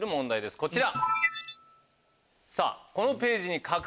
こちら。